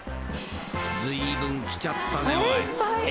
［ずいぶん来ちゃったねおい］